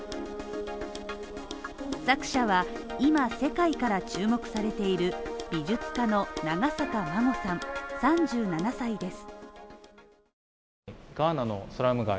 作者はいま世界から注目されている美術家の長坂真護さん３７歳です。